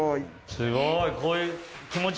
すごい。